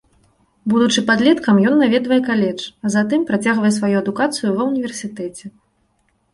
Будучы падлеткам ён наведвае каледж, а затым працягвае сваю адукацыю ва ўніверсітэце.